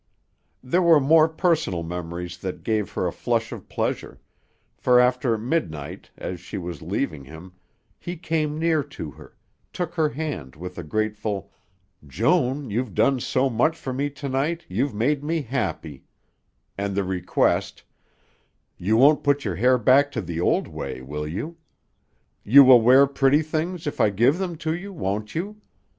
There were more personal memories that gave her a flush of pleasure, for after midnight, as she was leaving him, he came near to her, took her hand with a grateful "Joan, you've done so much for me to night, you've made me happy," and the request, "You won't put your hair back to the old way, will you? You will wear pretty things, if I give them to you, won't you?"